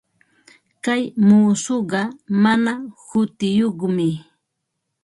Kay muusuqa mana hutiyuqmi.